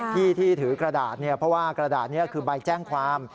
ที่ที่ถือกระดาษเนี่ยเพราะว่ากระดาษนี้คือใบแจ้งความ